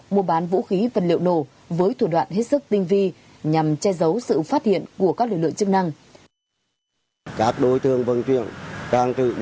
mua bán vũ khí vật liệu nổ với thủ đoạn hết sức tinh vi nhằm che giấu sự phát hiện của các lực lượng chức năng